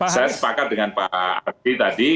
saya sepakat dengan pak arfi tadi